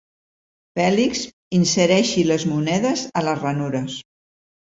Fèlix insereixi les monedes a les ranures.